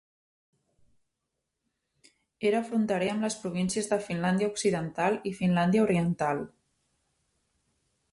Era fronterer amb les províncies de Finlàndia Occidental i Finlàndia Oriental.